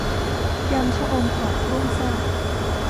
ยำชะอมกรอบกุ้งแซ่บ